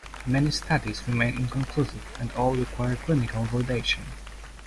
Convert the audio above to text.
Many studies remain inconclusive and all require clinical validation.